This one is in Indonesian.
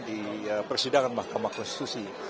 di persidangan mahkamah konstitusi